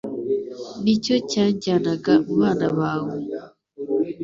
Ni icyo cyanjyanaga mu bana bawe